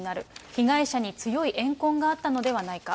被害者に強い怨恨があったのではないか。